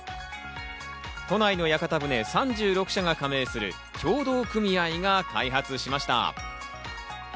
都内の屋形船３６社が加盟する協同組合が開発しました。